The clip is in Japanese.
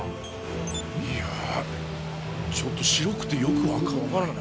いやちょっと白くてよく分からないな。